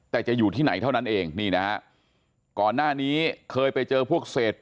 แต่จะอยู่ที่ไหนเท่านั้นเองนี่นะฮะก่อนหน้านี้เคยไปเจอพวกเศษ